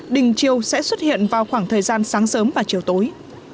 đình chiều sẽ xuất hiện vào khoảng thời gian sáng sớm và chiều tối